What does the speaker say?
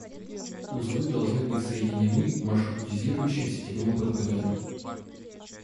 Узлы должны быть соединены маршрутизирующим сетевым оборудованием